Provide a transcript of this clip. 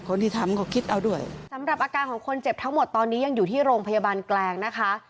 คนที่ทำก็คิดเอาด้วยสำหรับอาการของคนเจ็บทั้งหมดตอนนี้ยังอยู่ที่โรงพยาบาลแกลงนะคะ